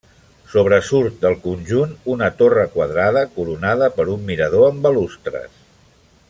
Sobresurt del conjunt una torre quadrada, coronada per un mirador amb balustres.